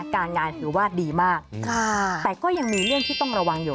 การงานถือว่าดีมากแต่ก็ยังมีเรื่องที่ต้องระวังอยู่